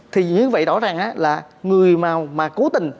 thì như vậy rõ ràng là người mà cố tình